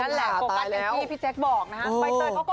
นั่นแหละโฟกัสอยู่ที่พี่แจ๊คบอกนะครับ